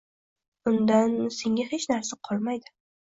Undan senga hech narsa qolmaydi